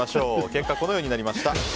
このようになりました。